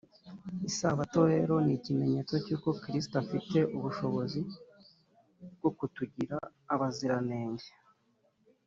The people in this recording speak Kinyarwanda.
isabato rero ni ikimenyetso cy’uko kristo afite ubushobozi bwo kutugira abaziranenge